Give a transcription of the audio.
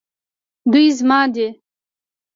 دوی زما دي